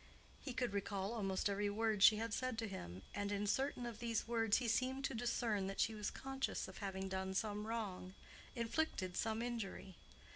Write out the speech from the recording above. He could recall almost every word she had said to him, and in certain of these words he seemed to discern that she was conscious of having done some wrong—inflicted some injury.